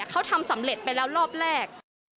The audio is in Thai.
เขาทำสำเร็จไปแล้วรอบแรก